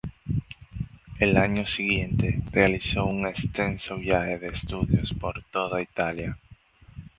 El año siguiente realizó un extenso viaje de estudios por toda Italia.